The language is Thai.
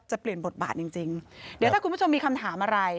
เปลี่ยนบทบาทจริงจริงเดี๋ยวถ้าคุณผู้ชมมีคำถามอะไร